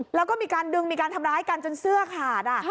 แล้วก็มีการดึงมีการทำร้ายกันจนเสื้อขาด